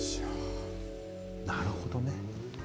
なるほどね。